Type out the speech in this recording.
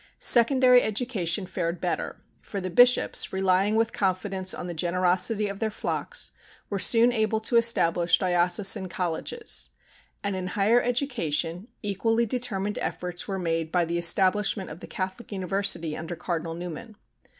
Secondary education fared better, for the bishops, relying with confidence on the generosity of their flocks, were soon able to establish diocesan colleges. And in higher education, equally determined efforts were made by the establishment of the Catholic University under Cardinal Newman.